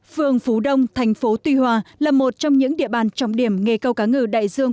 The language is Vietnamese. phường phú đông thành phố tuy hòa là một trong những địa bàn trọng điểm nghề câu cá ngừ đại dương